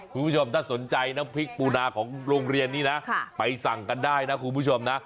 คุณผู้ชมถ้าสนใจน้ำพริกปูนาของโรงเรียนนี้นะไปสั่งกันได้นะคุณผู้ชมนะ